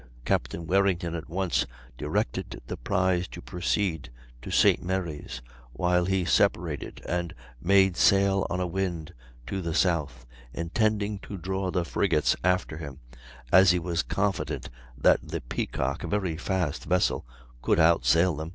Capt. Warrington at once directed the prize to proceed to St. Mary's, while he separated and made sail on a wind to the south, intending to draw the frigates after him, as he was confident that the Peacock, a very fast vessel, could outsail them.